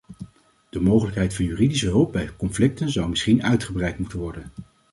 De mogelijkheid van juridische hulp bij conflicten zou misschien uitgebreid moeten worden.